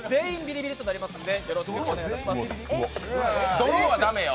ドローは駄目よ。